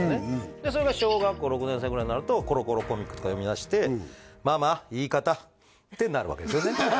でそれが小学校６年生ぐらいになると「コロコロコミック」とか読みだしてってなるわけですよね